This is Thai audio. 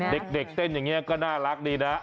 เด็กเต้นอย่างนี้ก็น่ารักดีนะ